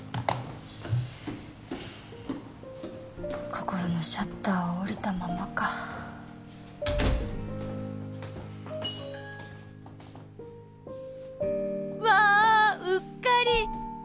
心のシャッターは下りたままか「わー！うっかり！」